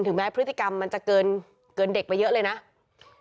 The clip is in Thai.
ถึงแม้การพฤติกรรมเกินเด็กเยอะเลยมั้ย